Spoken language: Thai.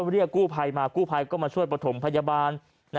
เรียกกู้ไพมากู้ไพก็มาช่วยปตถมพยาบาล